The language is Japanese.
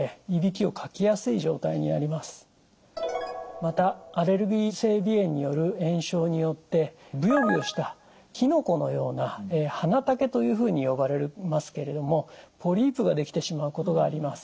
またアレルギー性鼻炎による炎症によってブヨブヨしたきのこのような鼻茸というふうに呼ばれますけれどもポリープが出来てしまうことがあります。